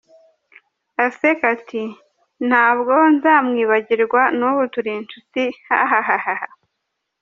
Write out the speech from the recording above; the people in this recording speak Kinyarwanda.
Aseka ati ‘Ntabwo nzamwibagirwa n’ ubu turi inshuti hahahaha’.